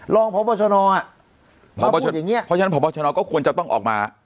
ลองพอบชนพอบชนก็ควรจะต้องออกมา